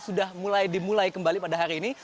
sudah mulai dimulai kembali pada hari ini